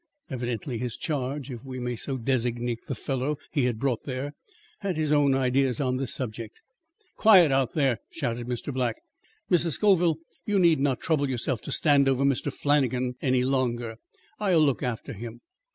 Evidently his charge, if we may so designate the fellow he had brought there, had his own ideas on this subject. "Quiet out there!" shouted Mr. Black. "Mrs. Scoville, you need not trouble yourself to stand over Mr. Flannagan any longer. I'll look after him."